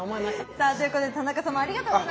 さあということで田中様ありがとうございました。